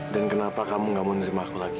dan kenapa kamu nggak mau nerima aku lagi